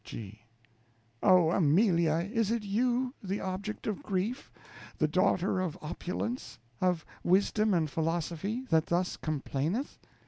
G. Oh, Amelia, is it you, the object of grief, the daughter of opulence, of wisdom and philosophy, that thus complaineth?